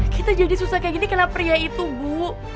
kita jadi susah kayak gini kenapa pria itu bu